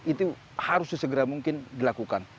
itu harus sesegera mungkin dilakukan